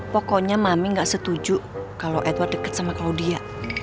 pokoknya mami gak setuju kalau edward deket sama claudia